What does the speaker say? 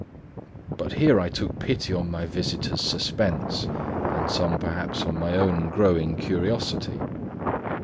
But here I took pity on my visitor's suspense, and some perhaps on my own growing curiosity.